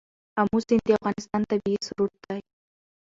آمو سیند د افغانستان طبعي ثروت دی.